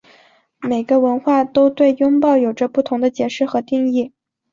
每个文化都对拥抱有着不同的解释和定义。